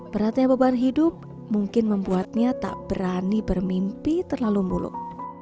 beratnya beban hidup mungkin membuatnya tak berani bermimpi terlalu muluk